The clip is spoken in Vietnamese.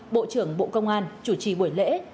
bộ trưởng bộ công an chủ trì buổi lễ